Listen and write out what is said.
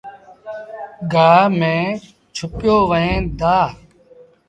گآه ميݩ ڇُپيو وهيݩ دآ